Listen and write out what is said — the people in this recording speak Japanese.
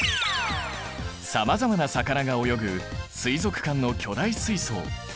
さまざまな魚が泳ぐ水族館の巨大水槽。